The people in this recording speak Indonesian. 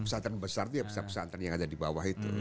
nu pesantren besar itu pesantren yang ada di bawah itu